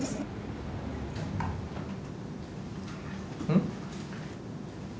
うん？